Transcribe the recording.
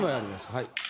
はい。